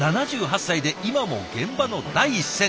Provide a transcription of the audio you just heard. ７８歳で今も現場の第一線。